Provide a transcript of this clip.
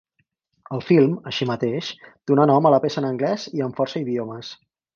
El film, així mateix, donà nom a la peça en anglès i en força idiomes.